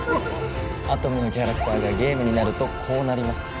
アトムのキャラクターがゲームになるとこうなります